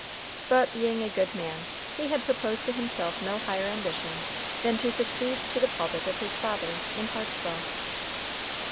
But, being a good man, he had proposed to himself no higher ambition than to succeed to the pulpit of his father in Harpswell.